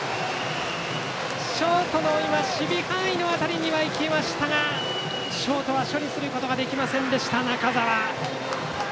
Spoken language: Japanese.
ショートの守備範囲の辺りにはいきましたがショート、中澤は処理することができませんでした。